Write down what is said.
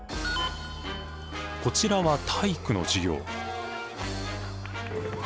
こちらは体育の授業。